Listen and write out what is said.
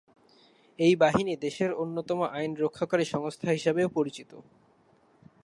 এই বাহিনী দেশের অন্যতম আইন রক্ষাকারী সংস্থা হিসেবেও পরিচিত।